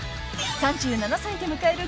［３７歳で迎える］